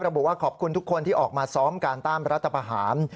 เราบอกว่าขอบคุณทุกคนที่ออกมาซ้อมการต้านรัฐภาษณ์